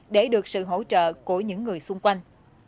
để được sự hỗ trợ của những người xung quanh